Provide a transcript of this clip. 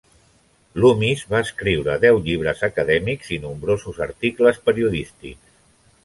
Loomis va escriure deu llibres acadèmics i nombrosos articles periodístics.